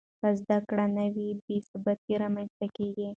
که زده کړه نه وي، بې ثباتي رامنځته کېږي.